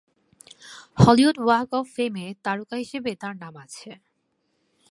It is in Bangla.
হলিউড ওয়াক অফ ফেম-এ তারকা হিসেবে তার নাম আছে।